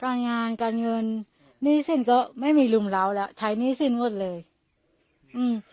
การงานการเงินหนี้สินก็ไม่มีรุมเล้าแล้วใช้หนี้สินหมดเลยอืม